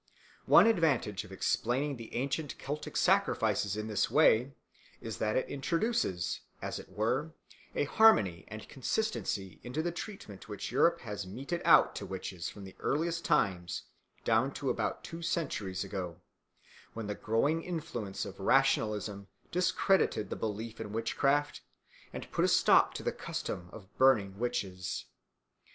One advantage of explaining the ancient Celtic sacrifices in this way is that it introduces, as it were, a harmony and consistency into the treatment which Europe has meted out to witches from the earliest times down to about two centuries ago, when the growing influence of rationalism discredited the belief in witchcraft and put a stop to the custom of burning witches.